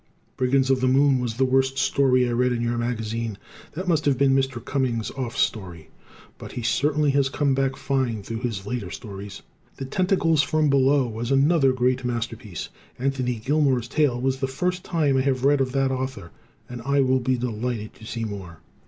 "Brigands of the Moon" was the worst story I read in your magazine. That must have been Mr. Cummings' off story. But he certainly has come back fine through his later stories. "The Tentacles from Below" was another great masterpiece. Anthony Gilmore's tale was the first that I have read of that author, and I will be delighted to see more.